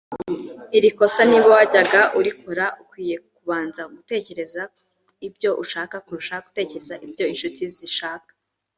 Iri kosa niba wajyaga urikora ukwiye kubanza gutekereza ibyo ushaka kurusha gutekereza ibyo inshuti zishaka